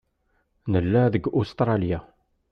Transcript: Nella deg Ustṛalya.